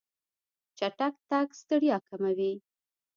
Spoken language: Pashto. چټک تګ ستړیا کموي.